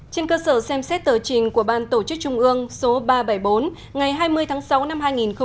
trên cơ sở xem xét tờ trình của ban tổ chức trung ương số ba trăm bảy mươi bốn ngày hai mươi tháng sáu năm hai nghìn một mươi chín